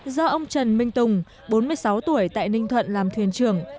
do ông trần minh tùng bốn mươi sáu tuổi tại ninh thuận làm thuyền trưởng